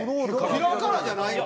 平からじゃないの？